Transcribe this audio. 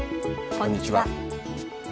こんにちは。